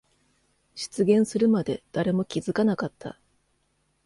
出現するまで誰も気づかなかった。